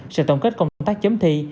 sẽ tổng kết công tác chấm thi